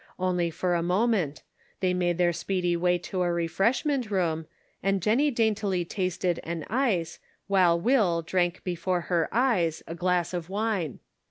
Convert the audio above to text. Only for a moment — they made their speedy way to a refreshment room, and Jennie daintily tasted an ice, while Will drank before her eyes a glass of wine.